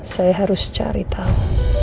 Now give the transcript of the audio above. saya harus cari tahu